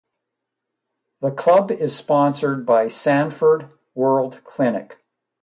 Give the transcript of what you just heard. The club is sponsored by Sanford World Clinic.